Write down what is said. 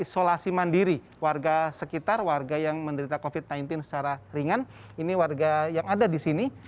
isolasi mandiri warga sekitar warga yang menderita covid sembilan belas secara ringan ini warga yang ada di sini